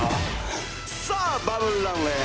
さあバブルランウェイ